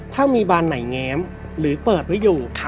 ถ้ามีบานไหนแง้มหรือเปิดไว้อยู่